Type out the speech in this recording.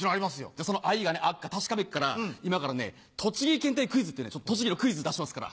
じゃその愛があっか確かめっから今からね栃木検定クイズっていう栃木のクイズ出しますから。